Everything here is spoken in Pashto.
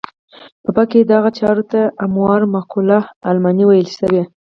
په فقه کې دغو چارو ته امور معقوله المعنی ویل شوي.